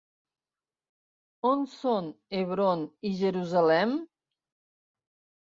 On són Hebron i Jerusalem?